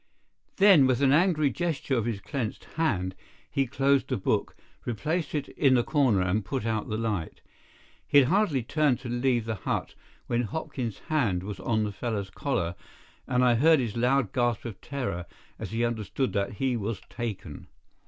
Then, with an angry gesture of his clenched hand, he closed the book, replaced it in the corner, and put out the light. He had hardly turned to leave the hut when Hopkin's hand was on the fellow's collar, and I heard his loud gasp of terror as he understood that he was taken.